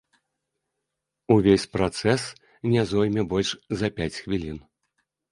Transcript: Увесь працэс не зойме больш за пяць хвілін.